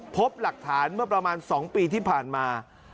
พบหลักฐานเมื่อประมาณ๒ปีที่ผ่านมา